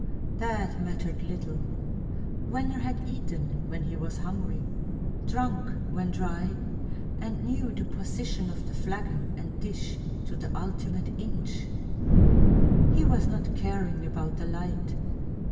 That mattered little; Venner had eaten when he was hungry, drunk when dry, and knew the position of the flagon and dish to the ultimate inch. He was not caring about the light.